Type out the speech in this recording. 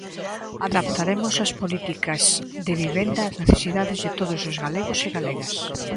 Adaptaremos as políticas de vivenda ás necesidades de todos os galegos e galegas.